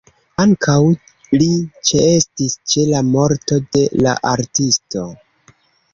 Ankaŭ li ĉeestis ĉe la morto de la artisto.